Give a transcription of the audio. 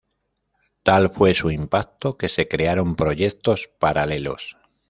Tal fue su impacto que se crearon proyectos paralelos.